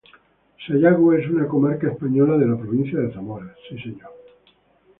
Sayago es una comarca española de la provincia de Zamora.